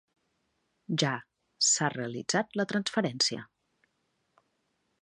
Ja s'ha realitzat la transferència.